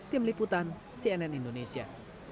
tim liputan cnn indonesia